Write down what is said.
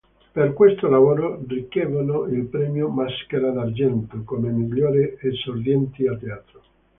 Per questo lavoro ricevono il premio "Maschera d'Argento" come migliori esordienti a teatro.